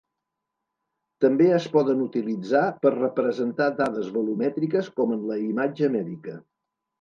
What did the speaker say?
També es poden utilitzar per representar dades volumètriques com en la imatge mèdica.